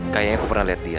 kaya nya aku pernah liat dia